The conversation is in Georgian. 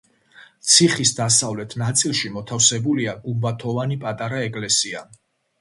ციხის დასავლეთ ნაწილში მოთავსებულია გუმბათოვანი პატარა ეკლესია.